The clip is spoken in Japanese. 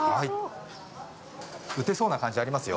打てそうな感じありますよ。